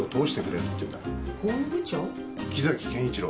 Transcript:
木崎健一郎。